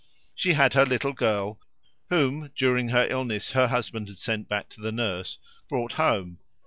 She had her little girl, whom during her illness her husband had sent back to the nurse, brought home.